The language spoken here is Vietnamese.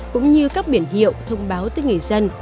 cũng như các biển hiệu thông báo tới người dân